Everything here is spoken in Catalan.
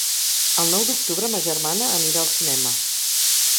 El nou d'octubre ma germana anirà al cinema.